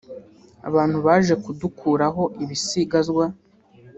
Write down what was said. abantu baje kudukuraho ibisigazwa